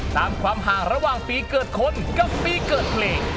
ตามความห่างระหว่างปีเกิดคนกับปีเกิดเพลง